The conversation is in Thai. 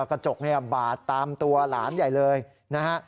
กระจกเนี่ยบาดตามตัวหลานใหญ่เลยนะฮะ